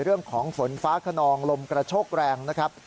เรื่องของฝนฟ้าขนองลมกระโชกแรงนะครับ